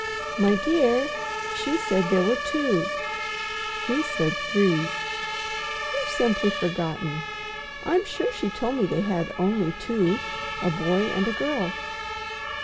"My dear, she said there were two." "He said three." "You've simply forgotten. I'm sure she told me they had only two—a boy and a girl."